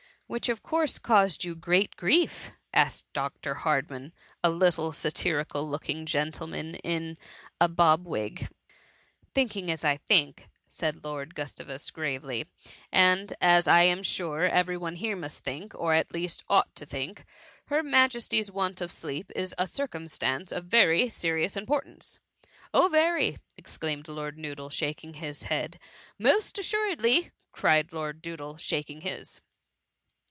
''" Which, of course, caused you great grief?" asked Dr. Hardman, a little, satirical looking gentleman in ^ bob wig. 180 THB MUMMYt <^ Thinking as I think,^ said Lord Gustavus gravely, ^^and as I am sure every one here must think) or at least ought to think, her Ma jesty^s want of sleep is a circumstance of very serious importance.*" " Oh ! very !*" exclaimed Lord Noodle, shaking his head, ^^ Most assuredly P cried Lord Doodle, shaking his.